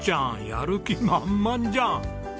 やる気満々じゃん！